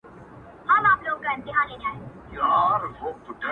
اوس په خوب کي هره شپه زه خوبان وینم،